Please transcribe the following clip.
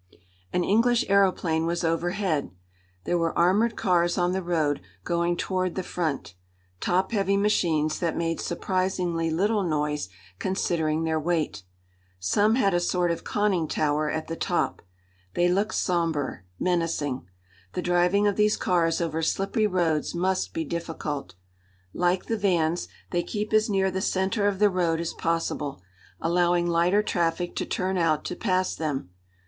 An English aëroplane was overhead. There were armoured cars on the road, going toward the front; top heavy machines that made surprisingly little noise, considering their weight. Some had a sort of conning tower at the top. They looked sombre, menacing. The driving of these cars over slippery roads must be difficult. Like the vans, they keep as near the centre of the road as possible, allowing lighter traffic to turn out to pass them.